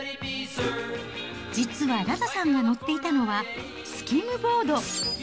実はラザさんが乗っていたのはスキムボード。